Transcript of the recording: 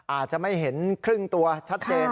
อาจจะไม่เห็นครึ่งตัวชัดเจน